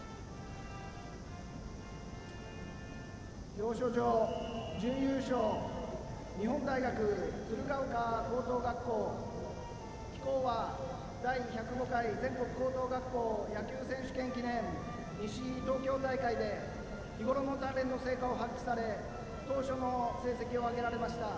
表彰状、準優勝日本大学鶴ヶ丘高等学校貴校は第１０５回全国高校野球選手権記念西東京大会で日頃の鍛練の成果を発揮され当初の成績を挙げられました。